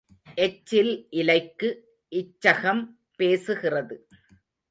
எச்சில் இலைக்கு இச்சகம் பேசுகிறது.